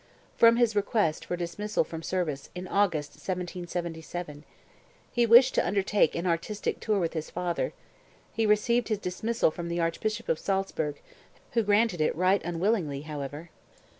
(From his request for dismissal from service in August, 1777. He wished to undertake an artistic tour with his father. He received his dismissal from the Archbishop of Salzburg, who granted it right unwillingly, however.)